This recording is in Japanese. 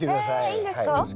えいいんですか？